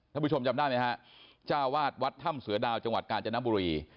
ผู้ชมจำได้ไหมฮะจ้าวาดวัดถ้ำเสือดาวจังหวัดกาญจนบุรี